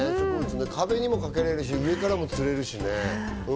壁にもかけられるし、上にもつれるしね。